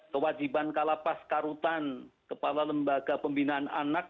kewajiban kalapas karutan kepala lembaga pembinaan anak